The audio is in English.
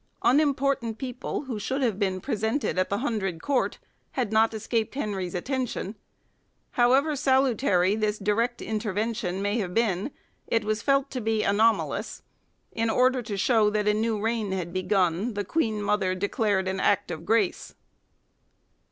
Unimportant people who should have been presented at the hundred court had not escaped Henry's attention. However salutary this direct intervention may have been, it was felt to be anomalous; in order to show that a new reign had begun the Queen Mother declared an act of grace.